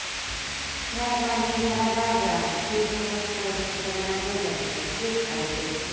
フライパンにサラダ油を２ｃｍほど注いで１７０度に熱し、揚げていきます。